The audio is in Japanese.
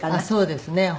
そうですね。